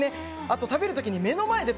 あと食べる時に目の前で